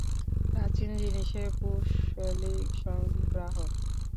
প্রাচীন জিনিসের কুশলী সংগ্রাহক।